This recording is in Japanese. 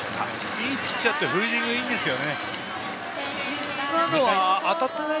いいピッチャーはフィールディングがいいんですよ。